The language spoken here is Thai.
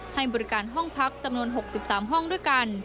ให้บริการห้องพักจำนวน๖๓ห้องด้วยกัน